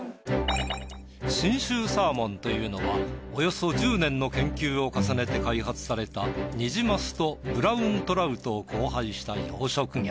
信州サーモンというのはおよそ１０年の研究を重ねて開発されたニジマスとブラウントラウトを交配した養殖魚。